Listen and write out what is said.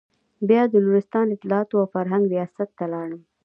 بيا د نورستان اطلاعاتو او فرهنګ رياست ته لاړم.